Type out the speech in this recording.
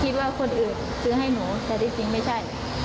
คิดว่าคนอื่นซื้อให้หนูแต่ที่จริงไม่ใช่